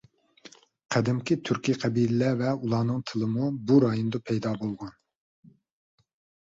قەدىمكى تۈركىي قەبىلىلەر ۋە ئۇلارنىڭ تىلىمۇ بۇ رايوندا پەيدا بولغان.